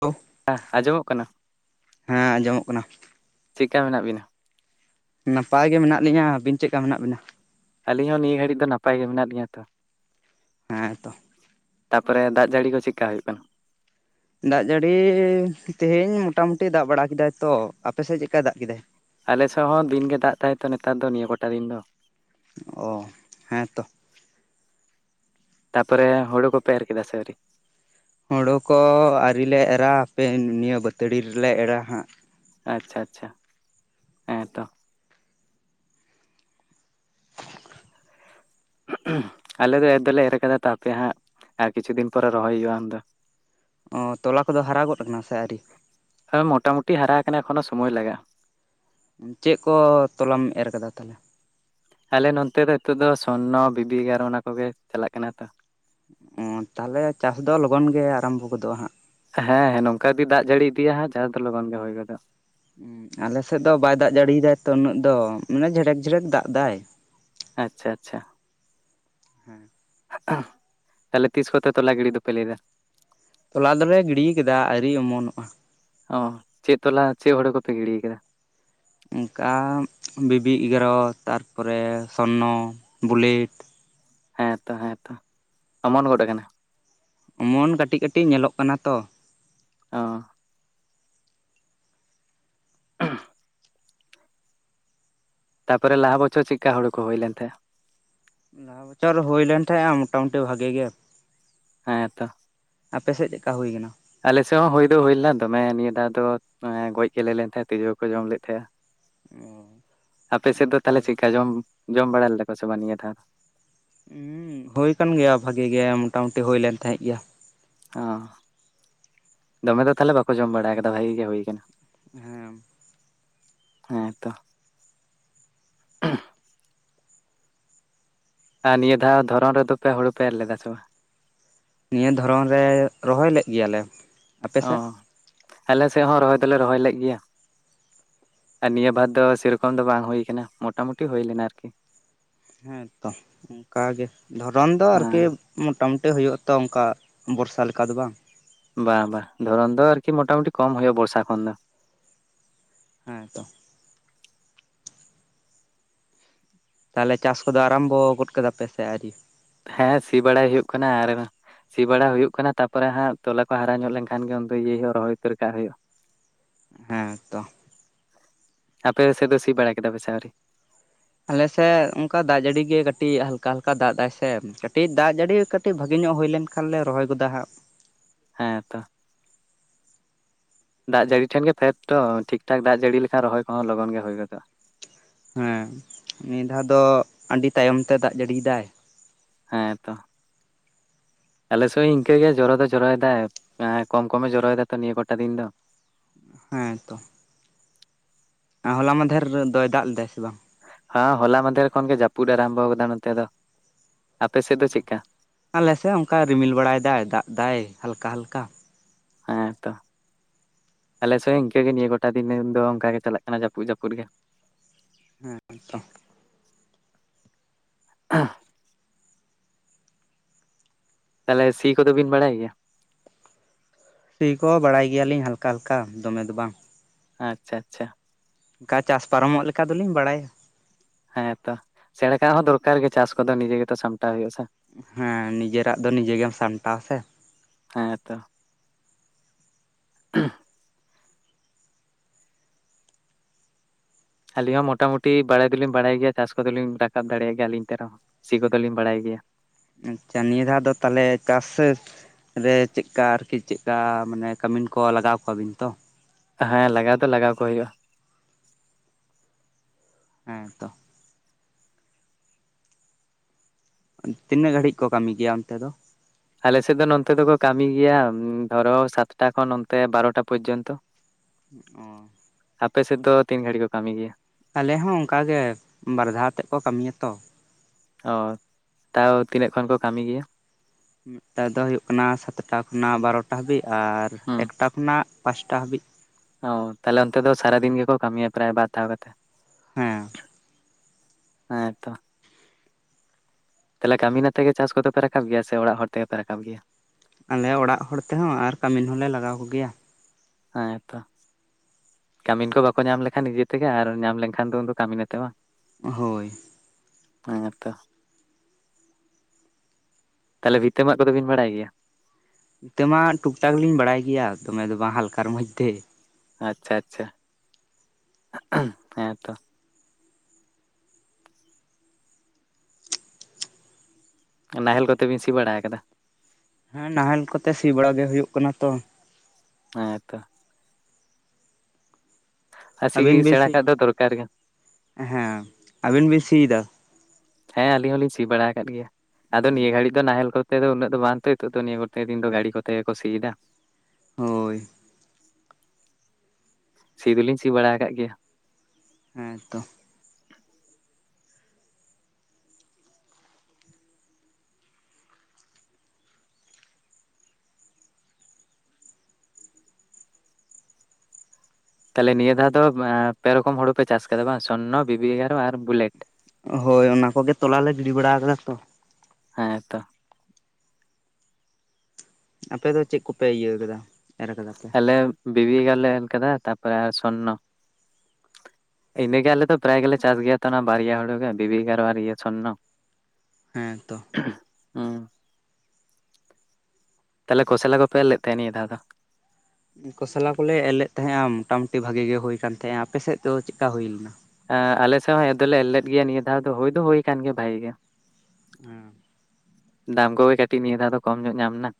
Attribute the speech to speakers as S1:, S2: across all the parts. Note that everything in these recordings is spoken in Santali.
S1: ᱦᱮᱞᱳ
S2: ᱟᱸ ᱟᱸᱡᱚᱢᱚᱜ ᱠᱟᱱᱟ,
S1: ᱦᱮᱸ ᱟᱸᱡᱚᱢᱚᱜ ᱠᱟᱱᱟ
S2: ᱪᱮᱜᱠᱟ ᱢᱮᱱᱟᱜ ᱵᱤᱱᱟ?
S1: ᱱᱟᱯᱟᱭ ᱜᱮ ᱢᱮᱱᱟᱜ ᱞᱤᱧᱟᱹ ᱟᱹᱵᱤᱱ ᱪᱮᱜ ᱠᱟ ᱢᱮᱱᱟᱜ ᱵᱤᱱᱟ?
S2: ᱟᱹᱞᱤᱧ ᱦᱚᱸ ᱱᱤᱭᱟᱹ ᱜᱷᱟᱹᱲᱤᱡ ᱫᱚ ᱱᱟᱯᱟᱭ ᱜᱮ ᱢᱮᱱᱟᱜ ᱞᱤᱧᱟ ᱛᱚ᱾
S1: ᱦᱮᱸ ᱛᱚ
S2: ᱛᱟᱯᱨᱮ ᱫᱟᱜ ᱡᱟᱹᱲᱤ ᱠᱚ ᱪᱮᱜᱠᱟ ᱦᱩᱭᱩᱜ ᱠᱟᱱᱟ?
S1: ᱫᱟᱜ ᱡᱟᱹᱲᱤ ᱛᱮᱦᱮᱧ ᱢᱚᱴᱟᱢᱩᱴᱤ ᱫᱟᱜ ᱵᱟᱲᱟ ᱠᱮᱫᱟᱭ ᱛᱚ ᱟᱯᱮᱥᱮᱡ ᱪᱮᱜᱠᱟᱭ ᱫᱟᱜ ᱠᱮᱫᱟᱭ?
S2: ᱟᱞᱮᱥᱮᱜ ᱦᱚᱸ ᱫᱤᱱ ᱜᱮ ᱫᱟᱜ ᱛᱟᱦᱮᱸ ᱛᱚ ᱱᱮᱛᱟᱨ ᱫᱚ ᱱᱤᱭᱟᱹ ᱠᱚᱴᱟ ᱫᱤᱱ ᱫᱚ
S1: ᱚ, ᱦᱮᱸ ᱛᱚ
S2: ᱛᱟᱨᱯᱚᱨᱮ ᱦᱳᱲᱳ ᱠᱚᱯᱮ ᱮᱨ ᱠᱮᱫᱟ ᱥᱮ ᱟᱹᱣᱨᱤ?
S1: ᱦᱳᱲᱳ ᱠᱚ ᱟᱹᱨᱤᱞᱮ ᱮᱨᱟ ᱦᱟᱯᱮ ᱱᱤᱭᱟᱹ ᱵᱟᱹᱛᱟᱹᱲᱤ ᱨᱮᱞᱮ ᱮᱨᱟ ᱦᱟᱸᱜ
S2: ᱟᱪᱪᱷᱟ ᱟᱪᱪᱷᱟ, ᱦᱮᱸ ᱛᱚ ᱟᱞᱮ ᱫᱚ ᱮᱨ ᱫᱚᱞᱮ ᱮᱨ ᱠᱟᱫᱟ ᱛᱚ ᱦᱟᱯᱮ ᱦᱟᱸᱜ ᱟᱨ ᱠᱤᱪᱷᱩ ᱫᱤᱱ ᱯᱚᱨᱮ ᱨᱚᱦᱚᱭ ᱦᱩᱭᱩᱜᱼᱟ [unintelligible]
S1: ᱚ ᱛᱚᱞᱟ ᱠᱚᱫᱚ ᱦᱟᱨᱟ ᱜᱚᱫ ᱠᱟᱱᱟ ᱥᱮ ᱟᱹᱨᱤ?
S2: ᱦᱚᱭ ᱢᱚᱴᱟᱢᱩᱴᱤ ᱦᱟᱨᱟ ᱟᱠᱟᱱᱟ ᱮᱠᱷᱚᱱᱚ ᱥᱚᱢᱚᱭ ᱞᱟᱜᱟᱜᱼᱟ
S1: ᱪᱮᱜ ᱠᱚ ᱛᱚᱞᱟᱢ ᱮᱨ ᱠᱟᱫᱟ ᱛᱟᱞᱦᱮ?
S2: ᱟᱞᱮ ᱱᱚᱱᱛᱮ ᱫᱚ ᱦᱤᱛᱚᱜ ᱫᱚ ᱥᱚᱱᱱᱚ ᱵᱤᱵᱤ ᱮᱜᱟᱨᱚ ᱚᱱᱟ ᱠᱚᱜᱮ ᱪᱟᱞᱟᱜ ᱠᱟᱱᱟ ᱛᱚ
S1: ᱚᱸ ᱛᱟᱦᱞᱮ ᱪᱟᱥ ᱫᱚ ᱞᱚᱜᱚᱱ ᱜᱮ ᱟᱨᱟᱢᱵᱷᱚ ᱜᱚᱫᱚᱜᱼᱟ ᱦᱟᱸᱜ
S2: ᱦᱮᱸ ᱦᱮᱸ ᱱᱚᱝᱠᱟ ᱡᱩᱫᱤ ᱫᱟᱜ ᱡᱟᱹᱲᱤ ᱤᱫᱤᱭᱟ ᱦᱟᱸᱜ [unintelligible] ᱫᱚ ᱞᱚᱜᱚᱱ ᱜᱮ ᱦᱳᱭ ᱜᱚᱫᱚᱜ
S1: ᱟᱞᱮᱥᱮᱫ ᱫᱚ ᱵᱟᱭ ᱫᱟᱜ ᱡᱟᱹᱲᱤᱭ ᱫᱟᱭ ᱛᱚ ᱩᱱᱟᱹᱜ ᱫᱚ ᱢᱟᱱᱮ ᱡᱷᱮᱲᱮᱠ ᱡᱷᱮᱲᱮᱠ ᱫᱟᱜ ᱫᱟᱭ
S2: ᱟᱪᱪᱷᱟ ᱟᱪᱪᱷᱟ ᱦᱟᱜᱼᱟ, ᱛᱟᱦᱞᱮ ᱛᱤᱥ ᱠᱚᱛᱮ ᱛᱚᱞᱟ ᱜᱤᱲᱤ ᱫᱚᱯᱮ ᱞᱟᱹᱭᱫᱟ?
S1: ᱛᱚᱞᱟ ᱫᱚᱞᱮ ᱜᱤᱰᱤ ᱠᱮᱫᱟ ᱟᱹᱨᱤ ᱚᱢᱚᱱᱚᱜᱼᱟ
S2: ᱚᱸ ᱪᱮᱫ ᱛᱚᱞᱟ, ᱪᱮᱫ ᱦᱳᱲᱳ ᱠᱚᱯᱮ ᱜᱤᱲᱤ ᱠᱟᱫᱟ?
S1: ᱚᱝᱠᱟ ᱵᱤᱵᱤ ᱮᱜᱟᱨᱚ ᱛᱟᱨᱯᱚᱨᱮ ᱥᱚᱱᱱᱚ, ᱵᱩᱞᱮᱴ
S2: ᱦᱮᱸᱛᱚ ᱦᱮᱸᱛᱚ, ᱚᱢᱚᱱ ᱜᱚᱫ ᱠᱟᱱᱟ
S1: ᱚᱢᱚᱱ ᱠᱟᱹᱴᱤᱡ ᱠᱟᱹᱴᱤᱡ ᱧᱮᱞᱚᱜ ᱠᱟᱱᱟ ᱛᱚ
S2: ᱚ [inaudible] ᱛᱟᱯᱚᱨᱮ ᱞᱟᱦᱟ ᱵᱚᱪᱷᱚᱨ ᱪᱮᱜᱠᱟ ᱦᱳᱲᱳ ᱠᱚ ᱦᱩᱭ ᱞᱮᱱ ᱛᱟᱦᱮᱸᱼᱟ?
S1: ᱞᱟᱦᱟ ᱵᱚᱪᱷᱚᱨ ᱦᱳᱭ ᱞᱮᱱ ᱛᱟᱦᱮᱸᱜᱼᱟ ᱢᱚᱴᱟ-ᱢᱩᱩᱴᱤ ᱵᱷᱟᱜᱮ ᱜᱮ
S2: ᱦᱮᱸ ᱛᱚ
S1: ᱟᱯᱮᱥᱮᱫ ᱪᱮᱫᱠᱟ ᱦᱩᱭᱠᱟᱱᱟ?
S2: ᱟᱞᱮᱥᱮᱜ ᱦᱚᱸ ᱦᱳᱭ ᱫᱚ ᱦᱳᱭ ᱞᱮᱱᱟ ᱫᱚᱢᱮ ᱱᱤᱭᱟᱹ ᱫᱷᱟᱣ ᱫᱚ ᱮᱸ ᱜᱚᱡ ᱜᱮᱞᱮ ᱞᱮᱱ ᱛᱟᱦᱮᱸᱫ, ᱛᱤᱡᱩ ᱠᱚᱠᱚ ᱡᱚᱢ ᱞᱮᱫ ᱛᱟᱦᱮᱸᱼᱟ ᱛᱟᱦᱮᱜᱼᱟ ᱟᱯᱮ ᱥᱮᱫ ᱫᱚ ᱛᱟᱞᱦᱮ
S1: ᱚᱱᱠᱟᱜᱮ
S2: ᱪᱮᱜᱠᱟ ᱡᱚᱢ, ᱡᱚᱢ ᱵᱟᱲᱟ ᱞᱮᱫᱟ ᱠᱚ ᱥᱮ ᱵᱟᱝ ᱱᱤᱭᱟᱹ ᱫᱷᱟᱣ
S1: [unintelligible] ᱦᱩᱭ ᱠᱟᱱ ᱜᱮᱭᱟ ᱵᱷᱟᱹᱜᱮ ᱜᱮ ᱢᱚᱴᱟ-ᱢᱩᱩᱴᱤ ᱦᱳᱭ ᱞᱮᱱ ᱛᱟᱦᱮᱸᱡ ᱜᱮᱭᱟ
S2: ᱚᱸ, ᱫᱚᱢᱮ ᱫᱚ ᱛᱟᱦᱞᱮ ᱵᱟᱠᱚ ᱡᱚᱢ ᱵᱟᱲᱟ ᱠᱟᱫᱟ ᱵᱷᱟᱹᱜᱮ ᱜᱮ ᱦᱳᱭ ᱠᱟᱱᱟ
S1: ᱦᱮᱸ
S2: ᱦᱮᱸ ᱛᱚ [unintelligible] ᱟᱨ ᱱᱤᱭᱟᱹ ᱫᱷᱟᱣ ᱫᱷᱚᱨᱚᱱ ᱨᱮᱫᱚ ᱯᱮ ᱦᱳᱲᱳ ᱯᱮ ᱮᱨ ᱞᱮᱫᱟ ᱥᱮ ᱵᱟᱝ?
S1: ᱱᱤᱭᱟᱹ ᱫᱷᱚᱨᱚᱱ ᱨᱮ ᱨᱚᱦᱚᱭ ᱞᱮᱫ ᱜᱮᱭᱟ ᱞᱮ
S2: ᱚ, ᱟᱞᱮ ᱥᱮᱜ ᱦᱚᱸ ᱨᱚᱦᱚᱭ ᱫᱚᱞᱮ ᱨᱚᱦᱚᱭ ᱞᱮᱜ ᱜᱮᱭᱟ ᱟᱨ ᱱᱤᱭᱟᱹ ᱵᱟᱨ ᱫᱚ ᱥᱮᱨᱚᱠᱚᱢ ᱫᱚ ᱵᱟᱝ ᱦᱳᱭ ᱠᱟᱱᱟ ᱢᱚᱴᱟ-ᱢᱩᱴᱤ ᱦᱳᱭ ᱞᱮᱱᱟ ᱟᱨᱠᱤ
S1: ᱦᱮᱸ ᱛᱚ ᱚᱝᱠᱟᱜᱮ, ᱫᱷᱚᱨᱚᱱ ᱫᱚ
S2: ᱦᱮᱸ
S1: ᱟᱨᱠᱤ ᱢᱚᱴᱟᱢᱩᱩᱴᱤ ᱦᱳᱭᱳᱜᱼᱟ ᱛᱚ ᱚᱱᱠᱟ ᱵᱚᱨᱥᱟ ᱞᱮᱠᱟ ᱫᱚ ᱵᱟᱝ
S2: ᱵᱟᱝ ᱵᱟᱝ ᱫᱷᱚᱨᱚᱱ ᱫᱚ ᱟᱨᱠᱤ ᱢᱚᱴᱟᱟᱢᱩᱴᱤ ᱠᱚᱢ ᱦᱩᱭᱩᱜᱼᱟ, ᱵᱚᱨᱥᱟ ᱠᱷᱚᱱ ᱫᱚ
S1: ᱦᱮᱸ ᱛᱚ ᱛᱟᱦᱚᱞᱮ ᱪᱟᱥ ᱠᱚᱫᱚ ᱟᱨᱟᱢᱵᱚ ᱜᱚᱫ ᱠᱟᱫᱟ ᱥᱮ ᱟᱹᱣᱨᱤ᱾
S2: ᱦᱮᱸ ᱥᱤ ᱵᱟᱲᱟᱭ ᱦᱩᱭᱩᱜ ᱠᱟᱱᱟ ᱟᱨ᱾ ᱥᱤ ᱵᱟᱲᱟ ᱦᱩᱭᱩᱜ ᱠᱟᱱᱟ ᱛᱟᱯᱚᱨᱮᱟᱸᱜ ᱛᱚᱞᱟ ᱠᱚ ᱦᱟᱨᱟ ᱧᱚᱜ ᱞᱮᱱᱠᱷᱟᱱ ᱜᱮ ᱩᱱ ᱤᱭᱟᱹ ᱨᱚᱦᱚᱭ ᱩᱛᱟᱹᱨ ᱠᱟᱜ ᱦᱳᱭᱳᱜ᱾
S1: ᱦᱮᱸ ᱛᱚ
S2: ᱟᱯᱮ ᱥᱮᱫ ᱫᱚ ᱥᱤ ᱵᱟᱲᱟ ᱠᱮᱫᱟ ᱯᱮ ᱥᱮᱜ ᱟᱹᱣᱨᱤ᱾
S1: ᱟᱞᱮᱥᱮᱫ ᱚᱱᱠᱟ ᱫᱟᱜ ᱡᱟᱹᱲᱤ ᱜᱮᱭ ᱠᱟᱹᱴᱤᱡ ᱦᱟᱞᱠᱟ ᱦᱟᱞᱠᱟ ᱫᱟᱜ ᱫᱟᱭ ᱥᱮ ᱠᱟᱹᱴᱤᱡ ᱫᱟᱜ ᱡᱟᱹᱲᱤ᱾ ᱠᱟᱹᱴᱤᱡ ᱵᱷᱟᱜᱤ ᱧᱚᱜ ᱦᱩᱭ ᱞᱮᱱ ᱠᱷᱟᱱ ᱞᱮ ᱨᱚᱦᱚᱭ ᱜᱚᱫᱟ ᱦᱟᱸᱜ᱾
S2: ᱦᱮᱸ ᱛᱚ ᱫᱟᱜ ᱡᱟᱹᱲᱤ ᱴᱷᱮᱱ ᱜᱮ ᱯᱷᱮᱰ ᱛᱚ ᱴᱷᱤᱠ ᱴᱷᱟᱠ ᱫᱟᱜ ᱡᱟᱹᱲᱤ ᱞᱮᱠᱷᱟᱱ ᱨᱚᱦᱚᱭ ᱠᱚᱸᱦᱚᱸ ᱞᱚᱜᱚᱱ ᱜᱮ ᱦᱳᱭ ᱜᱚᱫᱚᱜᱼᱟ᱾
S1: ᱦᱮᱸ ᱱᱤᱭᱟᱹ ᱫᱷᱟᱣ ᱫᱚ ᱟᱹᱰᱤ ᱛᱟᱭᱚᱢ ᱛᱮ ᱫᱟᱜ ᱡᱟᱹᱲᱤᱭᱫᱟᱭ ᱾
S2: ᱦᱮᱸᱛᱚ ᱟᱞᱮᱥᱮᱫ ᱤᱱᱠᱟᱹᱜᱮ ᱡᱚᱨᱚ ᱫᱚ ᱡᱚᱨᱚᱭ ᱫᱟᱭ ᱮ ᱠᱚᱢ ᱠᱚᱢᱮ ᱡᱚᱨᱚᱭᱫᱟᱭ ᱛᱚ ᱱᱤᱭᱟᱹ ᱠᱚᱴᱟ ᱫᱤᱱ ᱫᱚ᱾
S1: ᱦᱮᱸ ᱛᱚ ᱦᱚᱞᱟ ᱢᱟᱫᱷᱮᱨ ᱫᱚᱭ ᱫᱟᱜ ᱞᱮᱫᱟᱭ ᱥᱮ ᱵᱟᱝ᱾
S2: ᱦᱮᱸ ᱦᱚᱞᱟ ᱢᱟᱫᱷᱮᱨ ᱠᱷᱚᱱ ᱜᱮ ᱡᱟᱹᱯᱩᱫ ᱟᱨᱟᱢᱵᱷᱚ ᱠᱟᱫᱟᱭ ᱱᱚᱱᱛᱮ ᱫᱚ ᱟᱯᱮ ᱥᱮᱫ ᱫᱚ ᱪᱮᱫ ᱠᱟ᱾
S1: ᱟᱞᱮᱥᱮ ᱚᱱᱠᱟ ᱨᱤᱢᱤᱞ ᱵᱟᱲᱟᱭ ᱫᱟᱭ ᱫᱟᱜ ᱫᱟᱭ ᱦᱟᱞᱠᱟ ᱦᱟᱞᱠᱟ᱾
S2: ᱦᱮᱸ ᱛᱚ ᱟᱞᱮᱥᱮᱱ ᱦᱚ ᱤᱱᱠᱟᱹ ᱜᱮ ᱱᱤᱭᱟᱹ ᱠᱚᱴᱟ ᱫᱤᱱ ᱫᱚ ᱚᱱᱠᱟ ᱜᱮ ᱪᱟᱞᱟᱜ ᱠᱟᱱᱟ ᱡᱟᱹᱯᱩᱜ ᱡᱟᱹᱯᱩᱜ ᱜᱮ᱾
S1: ᱦᱮᱸ ᱛᱚ
S2: [unintelligible] ᱛᱟᱦᱚᱞᱮ ᱥᱤ ᱠᱚᱫᱚ ᱵᱤᱱ ᱵᱟᱲᱟᱭ ᱜᱮᱭᱟ᱾
S1: ᱥᱤ ᱠᱚᱦᱚ ᱵᱟᱲᱟᱭ ᱜᱮᱭᱟᱞᱤᱧ ᱦᱟᱞᱠᱟ ᱦᱟᱞᱠᱟ ᱫᱚᱢᱮ ᱫᱚ ᱵᱟᱝ᱾
S2: ᱟᱪᱪᱷᱟ ᱟᱪᱪᱷᱟ
S1: ᱚᱱᱠᱟ ᱪᱟᱥ ᱯᱟᱨᱚᱢᱚᱜ ᱞᱮᱠᱟ ᱫᱚᱞᱤᱧ ᱵᱟᱲᱟᱭᱟ᱾
S2: ᱦᱮᱸᱛᱚ ᱥᱮᱬᱮᱠᱟᱜ ᱦᱚᱸ ᱫᱚᱨᱠᱟᱨ ᱜᱮ ᱪᱟᱥ ᱠᱚᱫᱚ ᱱᱤᱡᱮ ᱜᱮᱛᱚ ᱥᱟᱢᱴᱟᱣ ᱦᱩᱭᱩᱜᱼᱟ ᱥᱮ᱾
S1: ᱦᱮᱸ ᱱᱤᱡᱮᱨᱟᱜ ᱫᱚ ᱱᱤᱡᱮᱜᱮ ᱥᱟᱢᱴᱟᱣ ᱥᱮ᱾
S2: ᱦᱮᱸᱛᱚ [unintelligible] ᱟᱹᱞᱤᱧ ᱦᱚᱸᱢᱚᱴᱟᱟᱢᱩᱴᱤ ᱵᱟᱲᱟᱭ ᱫᱚᱞᱤᱧ ᱵᱟᱲᱟᱭ ᱜᱮᱭᱟ ᱪᱟᱥ ᱠᱚᱫᱚ ᱞᱤᱧ ᱨᱟᱠᱟᱵ ᱫᱟᱲᱮᱭᱟᱜ ᱜᱮᱭᱟ ᱟᱹᱞᱤᱧ ᱛᱮ᱾ ᱨᱮᱦᱚᱸ ᱥᱤ ᱠᱚᱫᱚᱞᱤᱧ ᱵᱟᱲᱟᱭ ᱜᱮᱭᱟ᱾
S1: ᱟᱪᱪᱷᱟ ᱱᱤᱭᱟᱹ ᱫᱷᱟᱣ ᱫᱚ ᱛᱟᱦᱚᱞᱮ ᱪᱟᱥ ᱥᱷᱮᱥ᱾ ᱨᱮ ᱪᱮᱠᱽᱠᱟ ᱟᱨᱠᱤ ᱪᱮᱠᱽᱠᱟ ᱢᱟᱱᱮ ᱠᱟᱹᱢᱤᱱ ᱠᱚ ᱞᱟᱜᱟᱣ ᱠᱚᱣᱟᱵᱤᱱ ᱛᱚ᱾
S2: ᱦᱮᱸ ᱞᱟᱜᱟᱣ ᱫᱚ ᱞᱟᱜᱟᱣ ᱠᱚ ᱦᱩᱭᱳᱜᱼᱟ᱾
S1: ᱦᱮᱸ ᱛᱚ ᱛᱤᱱᱟᱹᱜ ᱜᱷᱟᱹᱲᱤᱡ ᱠᱚ ᱠᱟᱹᱢᱤ ᱜᱮᱭᱟ ᱚᱱᱛᱮ ᱫᱚ?
S2: ᱟᱞᱮᱥᱮᱫ ᱫᱚ ᱱᱚᱱᱛᱮ ᱫᱚᱠᱚ ᱠᱟᱢᱤ ᱜᱮᱭᱟ ᱫᱷᱚᱨᱚ ᱥᱟᱛᱴᱟ ᱠᱷᱚᱱ ᱱᱚᱱᱛᱮ ᱵᱟᱨᱳᱴᱟ ᱯᱚᱨᱡᱚᱱᱛᱚ᱾
S1: ᱚ᱾
S2: ᱟᱯᱮ ᱥᱮᱫ ᱫᱚ ᱛᱤᱱ ᱜᱷᱟᱹᱲᱤᱡ ᱠᱚ ᱠᱟᱢᱤᱭ ᱜᱮᱭᱟ?
S1: ᱟᱞᱮ ᱦᱚᱸ ᱚᱱᱠᱟ ᱜᱮ ᱵᱟᱨ ᱫᱷᱟᱣ ᱟᱛᱮᱛ ᱠᱚ ᱠᱟᱢᱤᱭᱟ ᱛᱚ᱾
S2: ᱚ ᱛᱟᱣ ᱛᱤᱱᱟᱹᱜ ᱠᱷᱚᱱ ᱠᱚ ᱠᱟᱢᱤᱭ ᱜᱮᱭᱟ?
S1: ᱢᱤᱫᱴᱟᱝ ᱫᱚ ᱦᱳᱭᱳᱜ ᱠᱟᱱᱟ ᱥᱟᱛᱴᱟ ᱠᱷᱚᱱᱟᱜ ᱵᱟᱨᱳᱴᱟ ᱦᱟᱵᱤᱡ ᱟᱨ
S2: ᱦᱩᱸ
S1: ᱮᱠᱴᱟ ᱠᱷᱚᱱᱟᱜ ᱯᱟᱥᱴᱟ ᱦᱟᱹᱵᱤᱡ᱾
S2: ᱚ ᱛᱟᱦᱞᱮ ᱚᱱᱛᱮ ᱫᱚ ᱥᱟᱨᱟ ᱫᱤᱱ ᱜᱮᱠᱚ ᱠᱟᱹᱢᱤᱭᱟ ᱯᱨᱟᱭ ᱵᱟᱨ ᱫᱷᱟᱣ ᱠᱟᱛᱮᱜ᱾
S1: ᱦᱮᱸ
S2: ᱦᱮᱸ ᱛᱚ ᱛᱟᱦᱚᱞᱮ ᱠᱟᱢᱤᱱ ᱱᱟᱛᱮ ᱜᱮ ᱪᱟᱥ ᱠᱚᱫᱚᱯᱮ ᱨᱟᱠᱟᱵ ᱜᱮᱭᱟ ᱥᱮ ᱚᱲᱟᱜ ᱦᱚᱲ ᱛᱮᱜᱮ ᱯᱮ ᱨᱟᱠᱟᱵ ᱜᱮᱭᱟ᱾
S1: ᱟᱞᱮ ᱚᱲᱟᱜ ᱦᱚᱲ ᱛᱮᱸᱦᱚᱸ ᱟᱨ ᱠᱟᱹᱢᱤᱱ ᱦᱚᱸᱞᱮ ᱞᱟᱜᱟᱣ ᱠᱚᱜᱮᱭᱟ᱾
S2: ᱦᱮᱸ ᱛᱚ ᱠᱟᱹᱢᱤᱱ ᱠᱚ ᱵᱟᱠᱚ ᱧᱟᱢ ᱞᱮᱠᱷᱟᱱ ᱱᱤᱡᱮ ᱛᱮᱜᱮ ᱟᱨ ᱧᱟᱢ ᱞᱮᱱᱠᱷᱟᱱ ᱫᱚ ᱩᱱ ᱫᱚ ᱠᱟᱹᱢᱤᱱ ᱟᱛᱮ ᱢᱟ ᱾
S1: ᱦᱚᱭ
S2: ᱦᱮᱸ ᱛᱚ ᱛᱟᱦᱚᱞᱮ ᱵᱷᱤᱛᱟᱹ ᱢᱟᱜ ᱠᱚᱫᱚᱵᱤᱱ ᱵᱟᱲᱟᱭ ᱜᱮᱭᱟ?
S1: ᱱᱤᱛᱚᱜ ᱢᱟ ᱴᱩᱠ ᱴᱟᱠ ᱞᱤᱧ ᱵᱟᱲᱟᱭ ᱜᱮᱭᱟ ᱫᱚᱢᱮ ᱫᱚ ᱵᱟᱝ ᱦᱟᱞᱠᱟᱨ ᱢᱚᱫᱽᱫᱷᱮ ᱾
S2: ᱟᱪᱪᱷᱟ ᱟᱪᱪᱷᱟ ᱦᱮᱸ ᱛᱚ ᱾ ᱱᱟᱦᱮᱞ ᱠᱚᱛᱮ ᱵᱤᱱ ᱥᱤ ᱵᱟᱲᱟ ᱟᱠᱟᱫᱟ?
S1: ᱦᱮᱸ ᱱᱟᱦᱮᱞ ᱠᱚᱛᱮ ᱥᱤ ᱵᱟᱲᱟ ᱜᱮ ᱦᱩᱭᱩᱜ ᱠᱟᱱᱟ ᱛᱚ ᱾
S2: ᱦᱮᱸ ᱛᱚ ᱾ ᱟᱨ
S1: ᱟᱹᱵᱤᱱ ᱵᱤᱱ
S2: ᱥᱮᱬᱟ
S1: ᱥᱤ,
S2: ᱠᱟᱜ ᱫᱚ ᱫᱚᱨᱠᱟᱨ ᱜᱮ
S1: ᱦᱮᱸ ᱟᱹᱵᱤᱱ ᱵᱤᱱ ᱥᱤᱭᱮᱫᱟ ᱾
S2: ᱦᱮᱸ ᱟᱹᱞᱤᱧ ᱦᱚᱸ ᱞᱤᱧ ᱥᱤ ᱵᱟᱲᱟ ᱟᱠᱟᱫ ᱜᱮᱭᱟ ᱟᱫᱚ ᱱᱤᱭᱟᱹ ᱜᱷᱟᱹᱲᱤᱡ ᱱᱟᱦᱮᱞ ᱠᱚᱛᱮ ᱫᱚ ᱩᱱᱟᱹᱜ ᱫᱚ ᱵᱟᱝᱛᱮ ᱱᱤᱛᱚᱜ ᱫᱚ ᱱᱤᱭᱟᱹ ᱠᱚᱛᱮ ᱫᱤᱱ ᱫᱚ ᱜᱟᱹᱰᱤ ᱠᱚᱛᱮ ᱜᱮ ᱠᱚ ᱥᱤᱭᱮᱫᱟ ᱾
S1: ᱦᱚᱭ
S2: ᱥᱤ ᱫᱚᱞᱤᱧ ᱥᱤ ᱵᱟᱲᱟ ᱟᱠᱟᱫ ᱜᱮᱭᱟ ᱾
S1: ᱦᱮᱸᱛᱚ
S2: ᱛᱟᱦᱞᱮ ᱱᱤᱭᱟᱹ ᱫᱷᱟᱣ ᱫᱚ ᱯᱮ ᱨᱚᱠᱚᱢ ᱦᱩᱲᱩ ᱯᱮ ᱪᱟᱥ ᱟᱠᱟᱫᱟ ᱵᱟᱝ ᱥᱚᱨᱱᱚ, ᱵᱤᱵᱤ ᱮᱜᱟᱨᱚ ᱟᱨ ᱵᱩᱞᱮᱴ ᱾
S1: ᱦᱚᱭ ᱚᱱᱟ ᱠᱚᱜᱮ ᱛᱚᱞᱟ ᱞᱮ ᱜᱤᱰᱤ ᱵᱟᱲᱟ ᱟᱠᱟᱫᱟ ᱛᱚ ᱾
S2: ᱦᱮᱸ ᱛᱚ
S1: ᱟᱯᱮ ᱫᱚ ᱪᱮᱫ ᱠᱚᱯᱮ ᱤᱭᱟᱹ ᱟᱠᱟᱫᱟ ᱮᱨ ᱟᱠᱟᱫᱟ ᱯᱮ?
S2: ᱟᱞᱮ ᱵᱤᱵᱤ ᱮᱜᱟᱨᱚ ᱞᱮ ᱮᱢ ᱟᱠᱟᱫᱟ ᱛᱟᱯᱚᱨᱮ ᱟᱨ ᱥᱚᱨᱱᱚ ᱾ ᱤᱱᱟᱹᱜᱮ ᱟᱞᱮ ᱫᱚ ᱯᱨᱟᱭ ᱜᱮᱞᱮ ᱪᱟᱥ ᱜᱮᱭᱟ ᱛᱚ ᱚᱱᱟ ᱵᱟᱨᱭᱟ ᱦᱩᱲᱩ ᱜᱮ ᱵᱤᱵᱤ ᱮᱜᱟᱨᱚ ᱟᱨ ᱤᱭᱟᱹ ᱥᱚᱨᱱᱚ ᱾
S1: ᱦᱮᱸ ᱛᱚ
S2: ᱦᱩᱸ ᱛᱟᱦᱚᱞᱮ ᱠᱷᱚᱥᱞᱟ ᱠᱚᱯᱮ ᱮᱨ ᱞᱮᱫ ᱛᱟᱦᱮᱸ ᱱᱤᱭᱟᱹ ᱫᱷᱟᱣ ᱫᱚ?
S1: ᱠᱷᱚᱥᱟᱞᱟ ᱠᱚᱞᱮ ᱮᱨ ᱞᱮᱫ ᱛᱟᱦᱮᱸᱭᱟ ᱢᱚᱴᱟ ᱢᱩᱴᱤ ᱵᱷᱟᱹᱜᱤ ᱜᱮ ᱦᱩᱭ ᱠᱟᱱ ᱛᱟᱦᱮᱸ ᱭᱟ, ᱟᱯᱮᱥᱮᱫ ᱫᱚ ᱪᱮᱠᱟ ᱦᱩᱭ ᱞᱮᱱᱟ?
S2: ᱟᱞᱮ ᱥᱮᱫ ᱦᱚᱸ ᱮᱨ ᱫᱚᱞᱮ ᱮᱨ ᱞᱮᱫ ᱜᱮᱭᱟ ᱱᱤᱭᱟᱹ ᱫᱷᱟᱣ ᱫᱚ ᱦᱩᱭ ᱫᱚ ᱦᱩᱭ ᱠᱟᱱ ᱜᱮᱭᱟ ᱵᱷᱟᱜᱤ ᱜᱮ ᱾
S1: ᱦᱮᱸ
S2: ᱫᱟᱢ ᱠᱚᱜᱮ ᱠᱟᱹᱴᱤᱡ ᱱᱤᱭᱟᱹ ᱫᱷᱟᱣ ᱫᱚ ᱠᱚᱢ ᱧᱚᱜ ᱧᱟᱢ ᱮᱱᱟ ᱾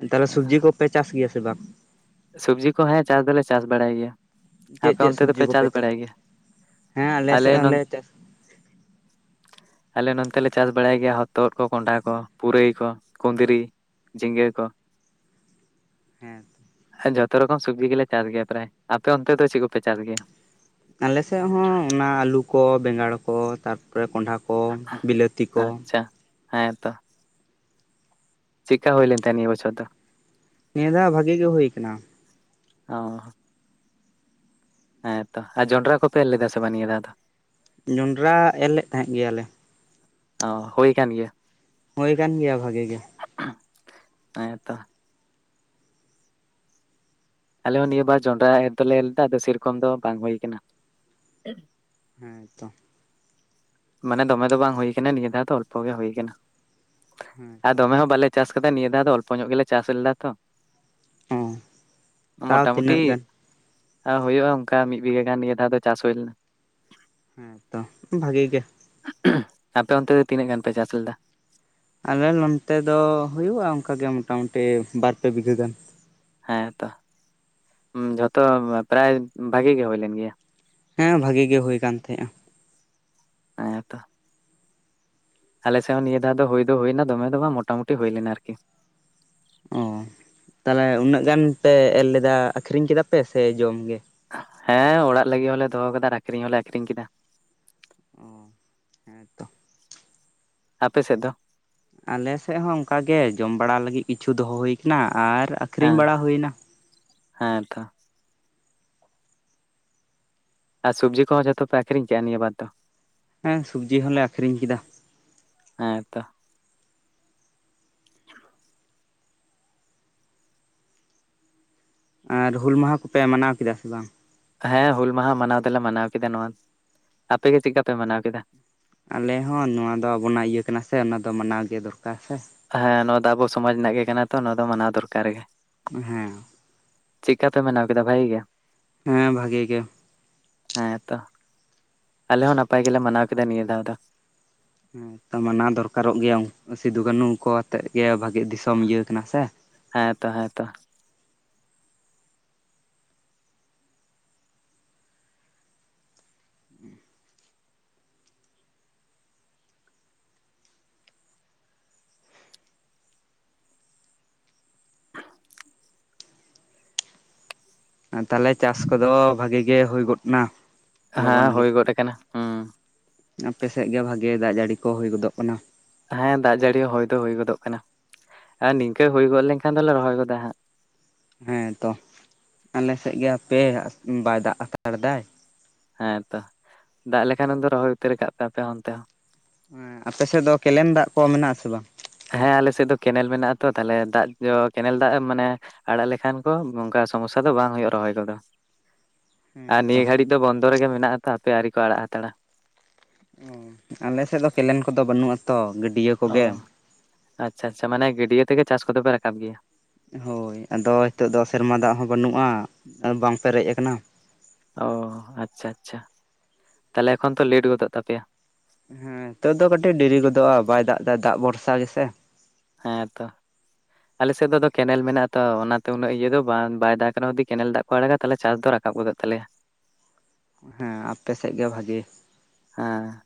S1: ᱦᱩᱸ ᱛᱟᱦᱚᱞᱮ ᱥᱩᱵᱡᱤ ᱠᱚᱯᱮ ᱪᱟᱥ ᱜᱮᱭᱟ ᱥᱮ ᱵᱟᱝ?
S2: ᱥᱚᱵᱡᱤ ᱠᱚ ᱦᱮᱸ ᱪᱟᱥ ᱫᱚᱞᱮ ᱪᱟᱥ ᱵᱟᱲᱟᱭ ᱜᱮᱭᱟ ᱾
S1: ᱪᱮᱫ ᱪᱮᱫ ᱥᱚᱵᱡᱤ ᱠᱚᱯᱮ ᱪᱟᱥ ᱦᱮᱸ ᱟᱞᱮ ᱥᱮᱫ ᱦᱚᱸᱞᱮ ᱪᱟᱥ ᱾
S2: ᱟᱞᱮ ᱱᱚᱛᱮ ᱞᱮ ᱪᱟᱥ ᱵᱟᱲᱟᱭ ᱜᱮᱭᱟ ᱦᱚᱛᱚᱫ ᱠᱚ, ᱠᱚᱸᱰᱷᱟ ᱠᱚ, ᱯᱩᱨᱟᱹᱭ ᱠᱚ, ᱠᱩᱸᱫᱽᱨᱤ ᱾ ᱡᱷᱤᱸᱜᱟᱹ ᱠᱚ ᱾
S1: ᱦᱮᱸᱛᱚ
S2: ᱡᱚᱛᱚ ᱨᱚᱠᱚᱢ ᱥᱚᱵᱽᱡᱤ ᱜᱮᱞᱮ ᱪᱟᱥ ᱜᱮᱭᱟ ᱯᱨᱟᱭ ᱟᱯᱮ ᱚᱱᱛᱮ ᱫᱚ ᱪᱮᱫ ᱠᱚᱯᱮ ᱪᱟᱥ ᱜᱮᱭᱟ?
S1: ᱟᱞᱮ ᱥᱮᱫ ᱦᱚᱸ ᱚᱱᱟ ᱟᱹᱞᱩ ᱠᱚ ᱵᱮᱸᱜᱟᱲ ᱠᱚ ᱛᱟᱨᱯᱚᱨᱮ ᱠᱚᱸᱰᱷᱟ ᱠᱚ ᱾
S2: [inaudible] ᱟᱪᱪᱷᱟ ᱦᱮᱸᱛᱚ ᱾ ᱪᱮᱜᱠᱟ ᱦᱩᱭᱞᱮᱱ ᱛᱟᱦᱮᱱ ᱱᱤᱭᱟᱹ ᱵᱚᱪᱷᱚᱨ ᱫᱚ?
S1: ᱱᱤᱭᱟᱹ ᱫᱷᱟᱣ ᱵᱷᱟᱹᱜᱤ ᱜᱮ ᱦᱩᱭ ᱟᱠᱟᱱᱟ ᱾
S2: ᱚ ᱦᱮᱸᱛᱚ ᱟᱨ ᱡᱚᱸᱰᱽᱨᱟ ᱠᱚᱯᱮ ᱮᱨ ᱞᱮᱫᱟ ᱥᱮ ᱵᱟᱝ ᱱᱤᱭᱟᱹ ᱫᱟᱣ ᱫᱚ?
S1: ᱡᱚᱸᱰᱽᱨᱟ ᱮᱨ ᱞᱮᱫ ᱛᱟᱦᱮᱸᱫ ᱜᱮᱭᱟᱞᱮ ᱾
S2: ᱚ ᱦᱩᱭ ᱠᱟᱱ ᱜᱮᱭᱟ ᱾
S1: ᱦᱩᱭ ᱠᱟᱱ ᱜᱮᱭᱟ ᱵᱷᱟᱹᱜᱤ ᱜᱮ᱾
S2: ᱦᱮᱸᱛᱚ ᱾ ᱟᱞᱮ ᱦᱚᱸ ᱱᱤᱭᱟᱹ ᱵᱟᱨ ᱡᱚᱸᱰᱽᱨᱟ ᱮᱨ ᱫᱚᱞᱮ ᱮᱨ ᱞᱮᱫᱟ ᱟᱫᱚ ᱥᱮᱨᱚᱠᱚᱢ ᱫᱚ ᱵᱟᱝ ᱦᱩᱭ ᱟᱠᱟᱱᱟ᱾
S1: ᱦᱮᱸᱛᱚ
S2: ᱢᱟᱱᱮ ᱫᱚᱢᱮ ᱫᱚ ᱵᱟᱝ ᱦᱩᱭ ᱟᱠᱟᱱᱟ ᱱᱤᱭᱟᱹ ᱫᱷᱟᱣ ᱫᱚ ᱚᱞᱯᱚ ᱜᱮ ᱦᱩᱭ ᱟᱠᱟᱱᱟ
S1: ᱦᱮᱸ
S2: ᱟᱨ
S1: ᱛᱚ
S2: ᱫᱚᱢᱮ ᱦᱚᱸ ᱵᱟᱞᱮᱼᱼ ᱪᱟᱥ ᱠᱟᱛᱮ ᱱᱤᱭᱟᱹ ᱫᱷᱟᱣ ᱫᱚ ᱚᱞᱯᱚ ᱧᱚᱜ ᱜᱮᱞᱮ ᱪᱟᱥ ᱞᱮᱫᱟ ᱛᱚ᱾
S1: ᱚ ᱛᱟᱣ
S2: ᱢᱚᱴᱟ ᱢᱩᱴᱤ
S1: ᱛᱤᱱᱟᱹᱜ ᱜᱟᱱ
S2: ᱟ ᱦᱩᱭᱩᱜᱼᱟ ᱚᱱᱠᱟ ᱢᱤᱫ ᱵᱤᱜᱷᱟᱹ ᱜᱟᱱ ᱱᱤᱭᱟᱹ ᱫᱷᱟᱣ ᱫᱚ ᱪᱟᱥ ᱦᱩᱭ ᱞᱮᱱᱟ᱾
S1: ᱦᱮᱸᱛᱚ ᱵᱷᱟᱜᱮ ᱜᱮ
S2: ᱟᱯᱮ ᱚᱱᱛᱮ ᱫᱚ ᱛᱤᱱᱟᱹᱜ ᱜᱟᱱ ᱯᱮ ᱪᱟᱥ ᱞᱮᱫᱟ?
S1: ᱟᱞᱮ ᱱᱚᱱᱛᱮ ᱫᱚ ᱦᱳᱭᱳᱜᱼᱟ ᱚᱱᱠᱟ ᱜᱮ ᱢᱚᱴᱟ ᱢᱩᱴᱤ ᱵᱟᱨ ᱯᱮ ᱵᱤᱜᱷᱟᱹ ᱜᱟᱱ᱾
S2: ᱦᱮᱸᱛᱚ ᱡᱷᱚᱛᱚ ᱯᱨᱟᱭ ᱵᱷᱟᱜᱮ ᱜᱮ ᱦᱳᱭ ᱞᱮᱱ ᱜᱮᱭᱟ᱾
S1: ᱦᱮᱸ ᱵᱷᱟᱜᱮ ᱜᱮ ᱦᱳᱭ ᱠᱟᱱ ᱛᱟᱦᱮᱸᱜᱼᱟ᱾
S2: ᱦᱮ ᱛᱚ ᱟᱞᱮ ᱥᱮᱫ ᱦᱚᱸ ᱱᱤᱭᱟᱹ ᱫᱷᱟᱣ ᱫᱚ ᱦᱩᱭ ᱫᱚ ᱦᱩᱭ ᱱᱟ ᱫᱚᱢᱮ ᱫᱚ ᱵᱟᱝ ᱢᱚᱴᱟ ᱢᱩᱴᱤ ᱦᱩᱭ ᱞᱮᱱᱟ ᱟᱨᱠᱤ᱾
S1: ᱚ ᱛᱟᱦᱞᱮ ᱩᱱᱟᱹᱜ ᱜᱟᱱ ᱯᱮ ᱮᱨ ᱞᱮᱫᱟ ᱟᱠᱷᱨᱤᱧ ᱠᱮᱫᱟ ᱯᱮ ᱥᱮ ᱡᱚᱢ ᱜᱮ
S2: ᱦᱮᱸ ᱚᱲᱟᱜ ᱞᱟᱹᱜᱤᱫ ᱦᱚᱸ ᱞᱮ ᱫᱚᱦᱚ ᱠᱟᱫᱟ ᱟᱠᱷᱨᱤᱧ ᱦᱚᱸᱞᱮ ᱟᱠᱷᱨᱤᱧ ᱠᱮᱫᱟ᱾
S1: ᱚ ᱦᱮᱸᱛᱚ
S2: ᱟᱯᱮ ᱥᱮᱫ ᱫᱚ?
S1: ᱟᱞᱮ ᱥᱮᱫ ᱦᱚᱸ ᱚᱱᱠᱟ ᱜᱮ ᱡᱚᱢ ᱵᱟᱲᱟ ᱞᱟᱹᱜᱤᱫ ᱠᱤᱪᱷᱩ ᱫᱚᱦᱚ ᱦᱩᱭᱩ ᱟᱠᱟᱱᱟ ᱟᱨ ᱟᱠᱷᱨᱤᱧ
S2: ᱦᱮᱸ
S1: ᱵᱟᱲᱟ ᱦᱩᱭ ᱱᱟ᱾
S2: ᱦᱮᱸ ᱛᱚ ᱟᱨ ᱥᱚᱵᱡᱤ ᱠᱚᱦᱚ ᱡᱷᱚᱛᱚ ᱯᱮ ᱟᱹᱠᱷᱨᱤᱧ ᱠᱮᱜᱼᱟ ᱱᱤᱭᱟᱹ ᱵᱟᱨ ᱫᱚ?
S1: ᱦᱮᱸ ᱥᱚᱵᱡᱤ ᱦᱚᱞᱮ ᱟᱹᱠᱷᱨᱤᱧ ᱠᱮᱫᱟ᱾
S2: ᱦᱮᱸ ᱛᱚ᱾
S1: ᱟᱨ ᱦᱩᱹᱞ ᱢᱟᱦᱟ ᱠᱚᱯᱮ ᱢᱟᱱᱟᱣ ᱠᱮᱫᱟ ᱥᱮ ᱵᱟᱝ?
S2: ᱦᱮᱸ ᱦᱩᱹᱞ ᱢᱟᱦᱟ ᱢᱟᱱᱟᱣ ᱫᱚ ᱞᱮ ᱢᱟᱱᱟᱣ ᱠᱮᱫᱟ ᱱᱚᱣᱟ ᱟᱯᱮ ᱜᱮ ᱪᱮᱫ ᱞᱮᱠᱟ ᱯᱮ ᱢᱟᱱᱟᱣ ᱠᱮᱫᱟ?
S1: ᱟᱞᱮ ᱦᱚᱸ ᱱᱚᱣᱟ ᱫᱚ ᱟᱵᱚᱱᱟᱜ ᱤᱭᱟᱹ ᱠᱟᱱᱟ ᱥᱮ ᱚᱱᱟ ᱫᱚ ᱢᱟᱱᱟᱣ ᱜᱮ ᱫᱚᱨᱠᱟᱨ ᱥᱮᱼᱼ
S2: ᱦᱮᱸ ᱱᱚᱣᱟ ᱫᱚ ᱟᱵᱚ ᱥᱚᱢᱟᱡᱽ ᱨᱮᱱᱟᱜ ᱜᱮ ᱠᱟᱱᱟ ᱛᱚ ᱱᱚᱣᱟ ᱫᱚ ᱢᱟᱱᱟᱣ ᱫᱚᱨᱠᱟᱨ ᱜᱮ᱾
S1: ᱦᱮᱸ
S2: ᱪᱮᱫ ᱠᱟ ᱯᱮ ᱢᱟᱱᱟᱣ ᱠᱮᱫᱟ ᱵᱷᱟᱜᱮ ᱜᱮ?
S1: ᱦᱮᱸ ᱵᱷᱟᱜᱮ ᱜᱮ?
S2: ᱦᱮᱸ ᱛᱚ ᱟᱞᱮ ᱦᱚᱸ ᱱᱟᱯᱟᱭ ᱜᱮ ᱞᱮ ᱢᱟᱱᱟᱣ ᱠᱮᱫᱟ ᱱᱤᱭᱟᱹ ᱫᱷᱟᱣ ᱫᱚ᱾
S1: ᱦᱮᱸ ᱛᱚ ᱢᱟᱱᱟᱣ ᱫᱚᱨᱠᱟᱨ ᱚᱜ ᱜᱮᱭᱟ ᱥᱤᱫᱩ ᱠᱟᱹᱱᱩ ᱩᱱᱠᱩ ᱟᱛᱮᱫ ᱜᱮ ᱵᱷᱟᱹᱜᱮ ᱫᱤᱥᱚᱢ ᱤᱭᱟᱹ ᱠᱟᱱᱟ ᱥᱮ᱾
S2: ᱦᱮᱸᱛᱚ ᱦᱮᱸᱛᱚ,
S1: ᱛᱟᱦᱞᱮ ᱪᱟᱥ ᱠᱚᱫᱚ ᱵᱷᱟᱜᱮ ᱜᱮ ᱦᱳᱭ ᱜᱚᱫ ᱱᱟ?
S2: ᱦᱮᱸ ᱦᱳᱭ ᱜᱚᱫ ᱟᱠᱟᱱᱟ᱾ ᱦᱩᱸ
S1: ᱟᱯᱮ ᱥᱮᱫ ᱜᱮ ᱵᱷᱟᱜᱮ ᱫᱟᱜ ᱡᱟᱹᱲᱤ ᱠᱚ ᱦᱳᱭ ᱜᱚᱫᱚᱜ ᱠᱟᱱᱟ᱾
S2: ᱦᱮᱸ ᱫᱟᱜ ᱡᱟᱹᱲᱤ ᱦᱳᱭ ᱫᱚ ᱦᱳᱭ ᱜᱚᱫᱚᱜ ᱠᱟᱱᱟ ᱟᱨ ᱱᱤᱝᱠᱟᱹ ᱦᱳᱭ ᱜᱚᱫ ᱞᱮᱱ ᱠᱷᱟᱱ ᱫᱚᱞᱮ ᱨᱚᱦᱚᱭ ᱜᱚ ᱫᱟ ᱦᱟᱸᱜ
S1: ᱦᱮᱸᱛᱚ ᱟᱞᱮ ᱥᱮᱫ ᱜᱮ ᱦᱟᱯᱮ ᱵᱟᱭ ᱫᱟᱜ ᱦᱟᱛᱟᱲ ᱫᱟᱭ
S2: ᱦᱮᱸᱛᱚ ᱫᱟᱜ ᱞᱮ ᱠᱷᱟᱱ ᱩᱱ ᱫᱚ ᱨᱚᱦᱚᱭ ᱩᱛᱟᱹᱨ ᱠᱟᱜ ᱯᱮ ᱟᱯᱮ ᱚᱱᱛᱮ ᱦᱚᱸᱼᱼ
S1: ᱦᱮᱸ ᱟᱯᱮ ᱥᱮᱫ ᱫᱚ ᱠᱮᱱᱮᱞ ᱫᱟᱜ ᱠᱚ ᱢᱮᱱᱟᱜᱼᱟ ᱥᱮ ᱵᱟᱝ?
S2: ᱦᱮᱸ ᱟᱞᱮ ᱥᱮᱫ ᱫᱚ ᱠᱮᱱᱮᱞ ᱢᱮᱱᱟᱜᱼᱟ ᱛᱚ ᱛᱟᱦᱞᱮ ᱫᱟᱜ ᱠᱮᱱᱮᱞ ᱫᱟᱜ ᱢᱟᱱᱮᱼᱼ ᱟᱸᱲᱟᱜ ᱞᱮᱠᱷᱟᱱ ᱠᱚ ᱚᱱᱠᱟ ᱥᱚᱢᱚᱥᱟ ᱫᱚ ᱵᱟᱝ ᱦᱩᱭᱩᱜᱼᱟ ᱨᱚᱦᱚᱭ ᱠᱚᱫᱚ᱾
S1: [inaudible]
S2: ᱟᱨ ᱱᱤᱭᱟᱹ ᱜᱷᱟᱹᱲᱤᱡ ᱫᱚ ᱵᱚᱱᱫᱚ ᱨᱮᱜᱮ ᱢᱮᱱᱟᱜᱼᱟ ᱛᱚ ᱦᱟᱯᱮ ᱟᱹᱨᱤ ᱠᱚ ᱟᱸᱲᱟᱜ ᱦᱟᱛᱟᱲᱟ᱾
S1: ᱟᱞᱮ ᱥᱮᱫ ᱫᱚ ᱠᱮᱱᱮᱞ ᱠᱚᱫᱚ ᱵᱟᱹᱱᱩᱜᱼᱟ ᱛᱚ ᱜᱟᱹᱰᱭᱟᱹ ᱠᱚᱜᱮ᱾
S2: ᱚ ᱟᱪᱪᱷᱟ ᱟᱪᱪᱷᱟ ᱢᱟᱱᱮ ᱜᱟᱹᱰᱭᱟᱹ ᱛᱮᱜᱮ ᱪᱟᱥ ᱠᱚᱫᱚ ᱯᱮ ᱨᱟᱠᱟᱵ ᱜᱮᱭᱟ
S1: ᱦᱳᱭ ᱟᱫᱚ ᱱᱤᱛᱳᱜ ᱫᱚ ᱥᱮᱨᱢᱟ ᱫᱟᱜ ᱦᱚᱸ ᱵᱟᱹᱱᱩᱜᱼᱟ ᱵᱟᱝ ᱯᱮᱨᱮᱡ ᱟᱠᱟᱱᱟ
S2: ᱚ ᱟᱪᱪᱷᱟ ᱟᱪᱪᱷᱟ ᱛᱟᱦᱞᱮ ᱮᱠᱷᱚᱱ ᱛᱚ ᱞᱮᱴ ᱜᱚᱫᱚᱜ ᱛᱟᱯᱮᱭᱟ
S1: ᱦᱮᱸ ᱛᱚ ᱫᱚ ᱠᱟᱹᱴᱤᱡ ᱰᱮᱨᱤ ᱜᱚᱫᱚᱜᱼᱟ ᱵᱟᱭ ᱫᱟᱜ ᱫᱟ ᱫᱟᱜ ᱵᱷᱚᱨᱥᱟ ᱜᱮ ᱥᱮᱼᱼ
S2: ᱦᱮᱸ ᱛᱚᱼᱼ ᱟᱞᱮ ᱥᱮᱫ ᱫᱚ ᱟᱫᱚ ᱠᱮᱱᱮᱞ ᱢᱮᱱᱟᱜᱼᱟ ᱛᱚ ᱚᱱᱟ ᱛᱮ ᱩᱱᱟᱹᱜ ᱤᱭᱟᱹ ᱫᱚ ᱵᱟᱝ ᱵᱟᱭ ᱫᱟᱜ ᱨᱮᱦᱚᱸ ᱡᱩᱫᱤ ᱠᱮᱱᱮᱞ ᱫᱟᱜᱼᱼ ᱠᱚ ᱟᱲᱟᱜᱟ ᱛᱟᱞᱮ ᱪᱟᱥ ᱫᱚ ᱨᱟᱠᱟᱵ ᱜᱚᱫᱚᱜ ᱛᱟᱞᱮᱭᱟ
S1: ᱦᱮᱸ ᱟᱯᱮ ᱥᱮᱫ ᱜᱮ ᱵᱷᱟᱜᱮᱼᱼ
S2: ᱦᱮᱸ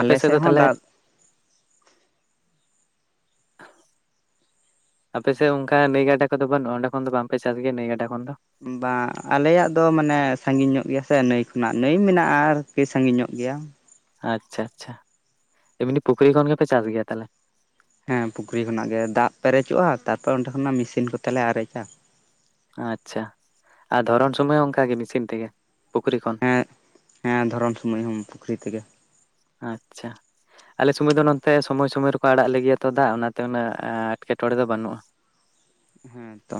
S2: ᱟᱯᱮ ᱥᱮᱫ ᱫᱚ
S1: ᱦᱚᱸ
S2: ᱛᱟᱦᱞᱮ
S1: ᱫᱟᱜ [inaudible]
S2: ᱟᱯᱮ ᱥᱮᱫ ᱚᱱᱠᱟ ᱱᱟᱹᱭ ᱜᱟᱰᱟ ᱠᱚᱫᱚ ᱵᱟᱹᱱᱩᱜᱼᱟ ᱚᱸᱰᱮ ᱠᱷᱚᱱ ᱫᱚ ᱵᱟᱝ ᱯᱮ ᱪᱟᱥ ᱜᱮᱭᱟ ᱱᱟᱹᱭ ᱜᱟᱰᱟ ᱠᱷᱚᱱ ᱫᱚᱼᱼ
S1: ᱵᱟᱝ, ᱟᱞᱮᱭᱟᱜ ᱫᱚ ᱢᱟᱱᱮ ᱥᱟᱺᱜᱤᱧ ᱧᱚᱜ ᱜᱮᱭᱟ ᱥᱮ ᱱᱟᱹᱭ ᱠᱷᱚᱱᱟᱜ। ᱱᱟᱹᱭ ᱢᱮᱱᱟᱜᱼᱟ ᱟᱨᱠᱤ, ᱥᱟᱺᱜᱤᱧ ᱧᱚᱜ ᱜᱮᱭᱟ।
S2: ᱟᱪᱪᱷᱟ ᱟᱪᱪᱷᱟ ᱮᱢᱱᱤ ᱯᱩᱠᱷᱨᱤ ᱠᱷᱚᱱ ᱜᱮᱯᱮ ᱪᱟᱥ ᱜᱮᱭᱟ ᱛᱟᱦᱟᱞᱮ?
S1: ᱦᱮᱸ ᱯᱩᱠᱷᱨᱤ ᱠᱷᱚᱱᱟᱜ ᱜᱮ। ᱫᱟᱜ ᱯᱮᱨᱮᱡᱚᱜᱼᱟ ᱛᱟᱨᱯᱚᱨ ᱚᱸᱰᱮ ᱠᱷᱚᱱᱟᱜ ᱢᱮᱥᱤᱱ ᱠᱚᱛᱮᱞᱮ ᱟᱨᱮᱡᱟ।
S2: ᱟᱪᱪᱷᱟ ᱟᱨ ᱫᱷᱚᱨᱚᱱ ᱥᱚᱢᱚᱭ ᱦᱚᱸ ᱚᱱᱠᱟ ᱜᱮ ᱢᱮᱥᱤᱱ ᱛᱮᱜᱮ᱾ ᱯᱩᱠᱷᱨᱤ ᱠᱷᱚᱱ।
S1: ᱦᱮᱸ ᱦᱮᱸ ᱫᱷᱚᱨᱚᱱ ᱥᱚᱢᱚᱭ ᱦᱚᱸ ᱯᱩᱠᱷᱨᱤ ᱛᱮᱜᱮ।
S2: ᱟᱪᱪᱷᱟ ᱟᱞᱮ ᱥᱚᱢᱚᱭ ᱫᱚ ᱱᱚᱱᱛᱮ ᱥᱚᱢᱚᱭ ᱥᱚᱢᱚᱭ ᱨᱮᱠᱚ ᱟᱲᱟᱜ ᱟᱞᱮ ᱜᱮᱭᱟ ᱛᱚ ᱫᱟᱜ ᱚᱱᱟᱛᱮ ᱩᱱᱟᱹᱜ ᱮᱴᱠᱮᱴᱚᱬᱮ ᱫᱚ ᱵᱟᱹᱱᱩᱜᱼᱟ।
S1: ᱦᱮᱸ ᱛᱚ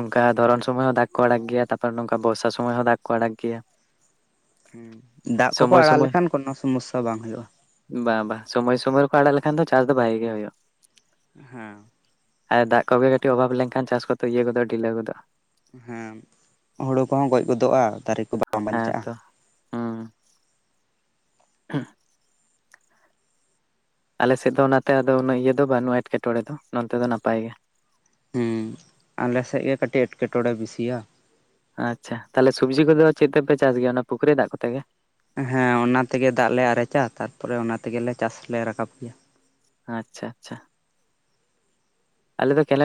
S2: ᱚᱱᱠᱟ ᱫᱷᱚᱨᱚᱱ ᱥᱚᱢᱚᱭ ᱦᱚᱸ ᱫᱟᱜ ᱠᱚ ᱟᱲᱟᱜ ᱜᱮᱭᱟ, ᱛᱟᱯᱚᱨᱮ ᱱᱚᱝᱠᱟ ᱵᱚᱨᱥᱟ ᱥᱚᱢᱚᱭ ᱦᱚᱸ ᱫᱟᱜ ᱠᱚ ᱟᱲᱟᱜ ᱜᱮᱭᱟ।
S1: ᱦᱮᱸ, ᱫᱟᱜ ᱠᱚᱠᱚ
S2: ᱥᱚᱢᱚᱭ
S1: ᱟᱲᱟᱜ
S2: ᱥᱚᱢᱚᱭ
S1: ᱞᱮᱠᱷᱟᱱ ᱠᱚᱱᱚ ᱥᱚᱢᱚᱥᱥᱟ ᱵᱟᱝ ᱦᱩᱭᱩᱜᱼᱟ।
S2: ᱵᱟᱝ ᱵᱟᱝ ᱥᱚᱢᱚᱭ ᱥᱚᱢᱚᱭ ᱨᱮᱠᱚ ᱟᱲᱟᱜ ᱞᱮᱠᱷᱟᱱ ᱫᱚ ᱪᱟᱥ ᱫᱚ ᱵᱷᱟᱜᱤ ᱜᱮ ᱦᱩᱭᱩᱜᱼᱟ।
S1: ᱦᱮᱸ
S2: ᱟᱨ ᱫᱟᱜ ᱠᱚᱜᱮ ᱠᱟᱹᱴᱤᱡ ᱚᱵᱷᱟᱵᱽ ᱞᱮᱱ ᱠᱷᱟᱱ ᱪᱟᱥ ᱠᱚᱫᱚ ᱤᱭᱟᱹ ᱠᱚ ᱫᱚ ᱰᱤᱞᱟᱹᱣ ᱜᱚᱫᱚᱜᱼᱟ।
S1: ᱦᱮᱸ, ᱦᱩᱲᱩ ᱠᱚᱦᱚᱸ ᱜᱚᱡ ᱜᱚᱫᱚᱜᱼᱟ ᱫᱟᱨᱮ ᱠᱚ ᱵᱟᱝ
S2: ᱦᱮᱸ
S1: ᱵᱟᱧᱪᱟᱜᱼᱟ।
S2: ᱛᱚ ᱦᱩᱸ [unintelligible] ᱟᱞᱮ ᱥᱮᱫ ᱫᱚ ᱚᱱᱟ ᱛᱮ ᱟᱫᱚ ᱩᱱᱟᱹᱜ ᱤᱭᱟᱹ ᱫᱚ ᱵᱟᱹᱱᱩᱜᱼᱟ ᱮᱴᱠᱮᱴᱚᱬᱮ ᱫᱚ, ᱱᱚᱱᱛᱮ ᱫᱚ ᱱᱟᱯᱟᱭ ᱜᱮ।
S1: ᱦᱩᱸ ᱟᱞᱮ ᱥᱮᱫ ᱜᱮ ᱠᱟᱹᱴᱤᱡ ᱮᱴᱠᱮᱴᱚᱬᱮ ᱵᱤᱥᱤᱭᱟ।
S2: ᱟᱪᱪᱷᱟ, ᱛᱟᱦᱟᱞᱮ ᱥᱚᱵᱽᱡᱤ ᱠᱚᱫᱚ ᱪᱮᱫ ᱛᱮᱯᱮ ᱪᱟᱥ ᱜᱮᱭᱟ, ᱚᱱᱟ ᱯᱩᱠᱷᱨᱤ ᱫᱟᱜ ᱠᱚᱛᱮ ᱜᱮ?
S1: ᱦᱮᱸ ᱚᱱᱟ ᱛᱮᱜᱮ ᱫᱟᱜ ᱞᱮ ᱟᱨᱮᱡᱟ, ᱛᱟᱨᱯᱚᱨᱮ ᱚᱱᱟ ᱛᱮᱜᱮ ᱞᱮ ᱪᱟᱥ ᱞᱮ ᱨᱟᱠᱟᱵ ᱜᱮᱭᱟ।
S2: ᱟᱪᱪᱷᱟ ᱟᱪᱪᱷᱟ ᱟᱞᱮ ᱫᱚ ᱠᱮᱱᱮᱞ ᱼᱼ